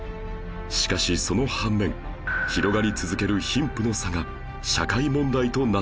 しかしその半面広がり続ける貧富の差が社会問題となっている